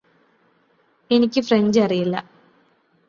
എനിക്ക് ഫ്രഞ്ച് അറിയില്ല